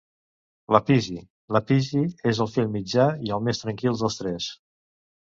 Laphiji - Laphiji es el fill mitjà i el més tranquil dels tres.